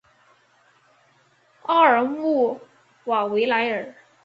奥尔穆瓦维莱尔。